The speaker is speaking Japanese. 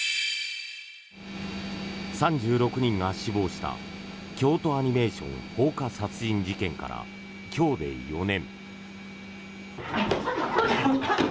３６人が死亡した京都アニメーション放火殺人事件から、今日で４年。